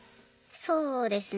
そうですね